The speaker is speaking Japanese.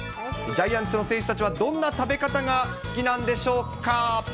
ジャイアンツの選手たちはどんな食べ方が好きなんでしょうか。